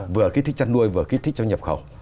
vừa kích thích chăn nuôi vừa kích thích cho nhập khẩu